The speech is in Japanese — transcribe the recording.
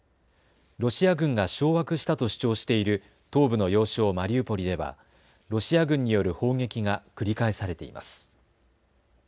ロシア軍が掌握したと主張している東部の要衝マリウポリではロシア軍による砲撃が繰り返されています。